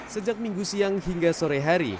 sejak minggu siang hingga sore hari